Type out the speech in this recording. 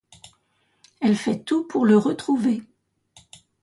Elle fait tout pour le retrouver.